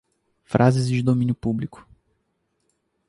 Frases de domínio público